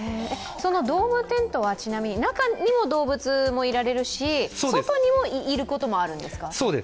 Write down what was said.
ドームテントはちなみに、中にも動物もいられるし外にもいることもあるんですか？